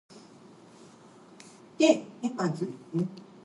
An awakening began to take place in American youth culture.